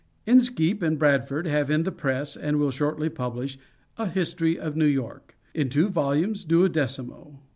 INSKEEP and BRADFORD have in the press, and will shortly publish, A History of New York, In two volumes, duodecimo.